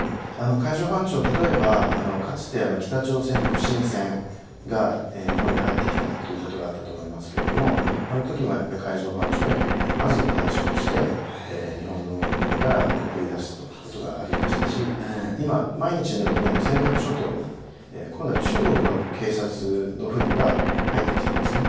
海上保安庁、例えばかつて北朝鮮の不審船が日本に入ってきたということがあったと思いますけれどもあの時もやっぱり海上保安庁がまず対処をして日本の海から追い出すということがありましたし今、毎日のように尖閣諸島に今度は中国の警察の船が入ってきてますね。